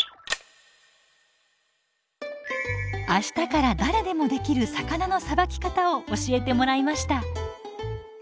明日から誰でもできる魚のさばき方を教えてもらいました。